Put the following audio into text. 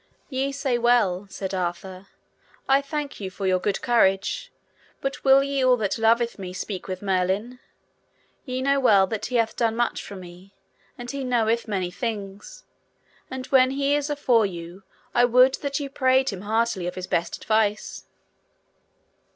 Ye say well, said Arthur; I thank you for your good courage, but will ye all that loveth me speak with Merlin? ye know well that he hath done much for me, and he knoweth many things, and when he is afore you, I would that ye prayed him heartily of his best advice.